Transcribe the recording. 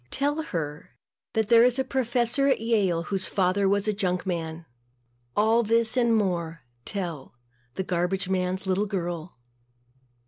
Tell her that there is a professor at Yale whose father was a junk man. All this and more tell the garbage man's little girl.